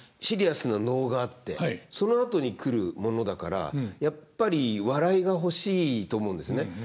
シリアスな能があってそのあとに来るものだからやっぱり笑いが欲しいと思うんですね。